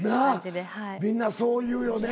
みんなそう言うよね。